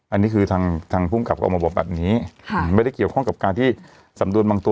อันนี้ก็คือทางภูมิกลับออกมาบอกไม่ได้เกี่ยวข้องกับการที่สำโดนบางตัว